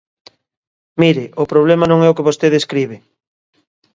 Mire, o problema non é o que vostede escribe.